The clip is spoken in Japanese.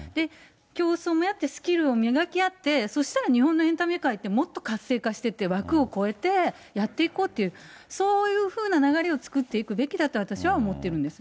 競争もあってスキルを磨き合って、そうしたら日本のエンタメ界ってもっと活性化していって、枠を超えてやっていこうっていう、そういうふうな流れを作っていくべきだと私は思ってるんです。